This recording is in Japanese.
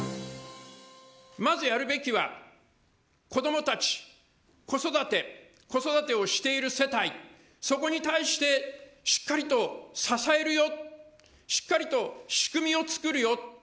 まずやるべきは子どもたち、子育て、子育てをしている世帯、そこに対してしっかりと支えるよ、しっかりと仕組みを作るよ。